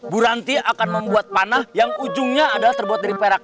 buranti akan membuat panah yang ujungnya adalah terbuat dari perak